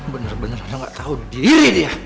benar benar saya nggak tahu diri dia